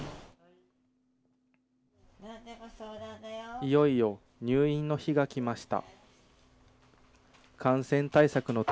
いよいよ入院の日が来ました。